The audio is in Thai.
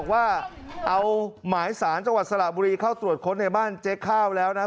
ว่าเอาหมายสารจังหวัดสระบุรีเข้าตรวจค้นในบ้านเจ๊ข้าวแล้วนะ